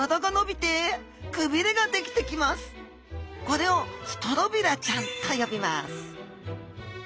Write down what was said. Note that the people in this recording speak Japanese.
これをストロビラちゃんと呼びます